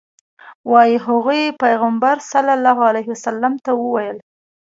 وایي هغوی پیغمبر صلی الله علیه وسلم ته وویل.